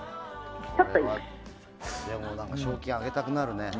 でも賞金、あげたくなるね。